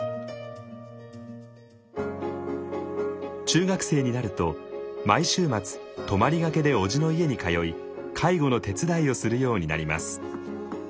中学生になると毎週末泊まりがけでおじの家に通い介護の手伝いをするようになります。